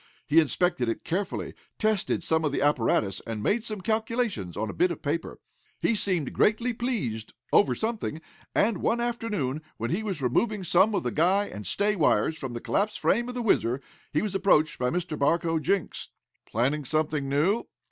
He inspected it carefully, tested some of the apparatus, and made some calculations on a bit of paper. He seemed greatly pleased over something, and one afternoon, when he was removing some of the guy and stay wires from the collapsed frame of the WHIZZER, he was approached by Mr. Barcoe Jenks. "Planning something new?"